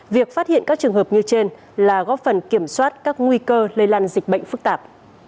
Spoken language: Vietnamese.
việc phát hiện các trường hợp như trên là góp phần kiểm soát các nguy cơ lây lan dịch bệnh phức tạp